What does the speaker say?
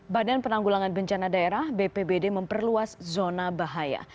badan penanggulangan bencana daerah bpbd memperluas zona bahaya